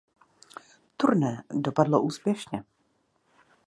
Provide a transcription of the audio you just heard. Turné dopadlo úspěšně.